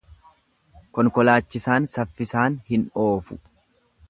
Konkolaachisaan saffisaan hin oofu.